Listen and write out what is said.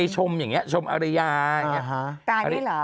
ชมอร้ายาตานี่หรอ